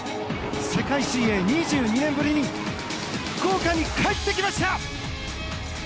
世界水泳、２２年ぶりに福岡に帰ってきました！